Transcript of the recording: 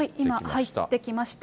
今入ってきました。